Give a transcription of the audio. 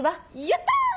やった！